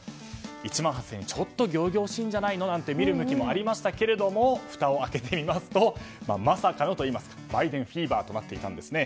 １万８０００人はちょっと仰々しいんじゃないのと見る向きもありましたけれどもふたを開けてみますとまさかのといいますかバイデンフィーバーとなっていたんですね。